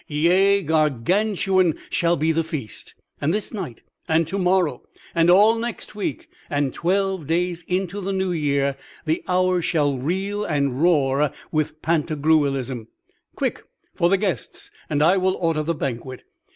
Yea, Gargantuan shall be the feast; and this night, and to morrow, and all next week, and twelve days into the new year the hours shall reel and roar with Pantagruelism. Quick, for the guests, and I will order the banquet!"